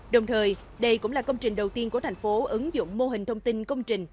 đồng thời đây cũng là công trình đầu tiên của thành phố ứng dụng mô hình thông tin công trình